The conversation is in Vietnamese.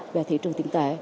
về thị trường tiện tệ